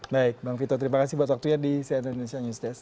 baik bang vito terima kasih buat waktunya di cnn indonesia news desk